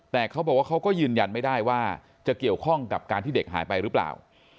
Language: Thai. แต่เขาบอกว่าเขาก็ยืนยันไม่ได้ว่าจะเกี่ยวข้องกับการที่เด็กหายไปหรือเปล่า